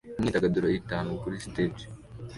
Imyidagaduro itanu kuri stage